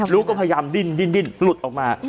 ลูกก็พยายามดิ้นหลุดออกมา